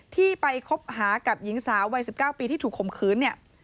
ที่ไปคบหากับหญิงสาววัย๑๙ปีที่ถูกข่มขืนเนี่ย